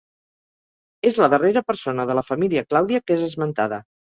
És la darrera persona de la família Clàudia que és esmentada.